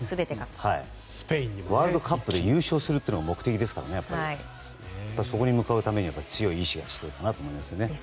ワールドカップで優勝するのが目的ですからそこに向かうために強い意思が必要だなと思います。